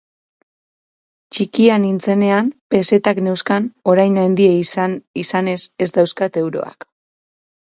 Txikia nintzenean pesetak neuzkan orain handia izanez ez dauzkat euroak.